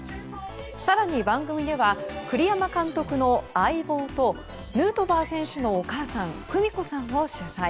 更に、番組では栗山監督の相棒とヌートバー選手のお母さん久美子さんを取材。